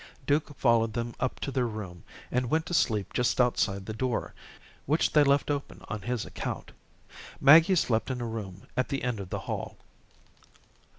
Duke followed them up to their room, and went to sleep just outside the door, which they left open on his account. Maggie slept in a room at the end of the hall.